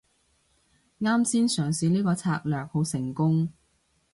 啱先嘗試呢個策略好成功